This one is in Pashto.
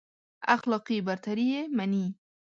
اخلاقي برتري يې مني.